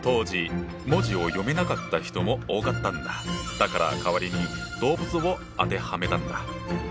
だから代わりに動物を当てはめたんだ。